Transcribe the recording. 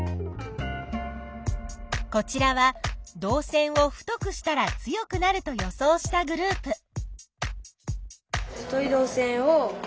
こちらは導線を太くしたら強くなると予想したグループ。